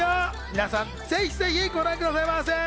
皆さん、ぜひぜひご覧くださいませ。